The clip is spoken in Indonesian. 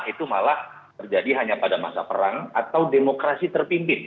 itu malah terjadi hanya pada masa perang atau demokrasi terpimpin